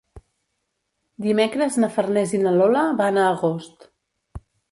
Dimecres na Farners i na Lola van a Agost.